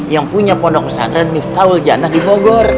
yang punya pondok pondok niftahul jannah di bogor